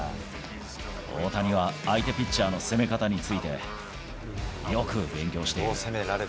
大谷は相手ピッチャーの攻め方について、よく勉強している。